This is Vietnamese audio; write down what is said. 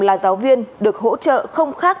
là giáo viên được hỗ trợ không khác